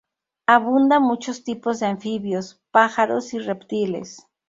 Abunda muchos tipos de anfibios, pájaros y reptiles.